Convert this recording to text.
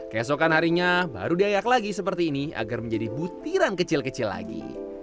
keesokan harinya baru diayak lagi seperti ini agar menjadi butiran kecil kecil lagi